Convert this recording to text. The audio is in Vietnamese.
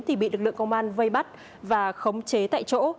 thì bị lực lượng công an vây bắt và khống chế tại chỗ